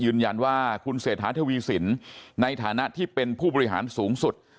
ยืนยันว่าคุณเศรษฐาทวีสินในฐานะที่เป็นผู้บริหารสูงสุด